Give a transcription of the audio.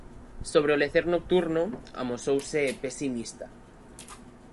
Sobre o lecer nocturno, amosouse pesimista.